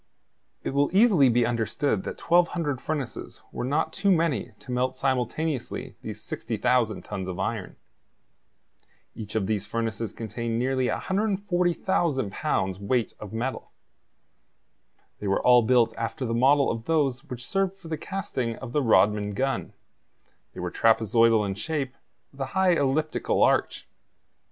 It will easily be understood that 1,200 furnaces were not too many to melt simultaneously these 60,000 tons of iron. Each of these furnaces contained nearly 140,000 pounds weight of metal. They were all built after the model of those which served for the casting of the Rodman gun; they were trapezoidal in shape, with a high elliptical arch.